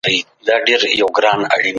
احمد شاه ابدالي څنګه د باور فضا پیاوړې کړه؟